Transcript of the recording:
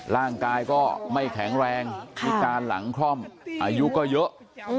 ร่างกายก็ไม่แข็งแรงพิการหลังคล่อมอายุก็เยอะ